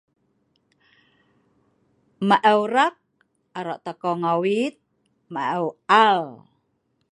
Maeu raak aroq takong awiit maeu aal